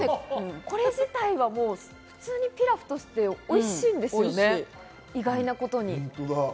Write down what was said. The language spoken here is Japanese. これ自体は普通にピラフとしておいしいですよね、意外なことに。